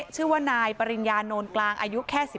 ชื่อว่านายปริญญาโนนกลางอายุแค่๑๕